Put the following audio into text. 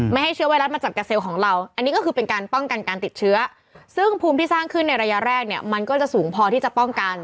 ให้เชื้อไวรัสมาจับกาเซลล์ของเราอันนี้ก็คือเป็นการป้องกันการติดเชื้อซึ่งภูมิที่สร้างขึ้นในระยะแรกเนี่ยมันก็จะสูงพอที่จะป้องกัน